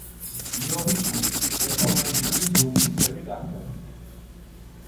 იობიშვილი ერქომაიშვილის გუნდის წევრი გახდა.